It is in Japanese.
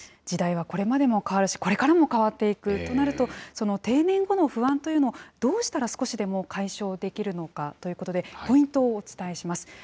時代はこれまでも変わるし、これからも変わっていくとなると、その定年後の不安というのを、どうしたら少しでも解消できるのかということで、ポイントをお伝えします。